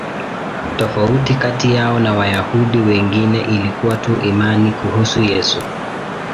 Tofauti kati yao na Wayahudi wengine ilikuwa tu imani kuhusu Yesu.